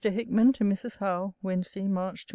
HICKMAN, TO MRS. HOWE WEDNESDAY, MARCH 29.